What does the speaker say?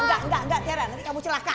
enggak enggak enggak tiara nanti kamu celaka